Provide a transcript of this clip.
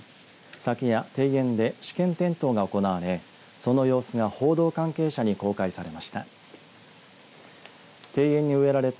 昨夜、庭園で試験点灯が行われその様子が報道関係者に公開されました。